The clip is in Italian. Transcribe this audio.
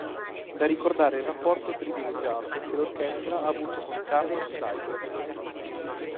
Da ricordare il rapporto privilegiato che l'Orchestra ha avuto con Carlos Kleiber.